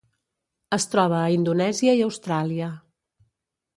Es troba a Indonèsia i Austràlia.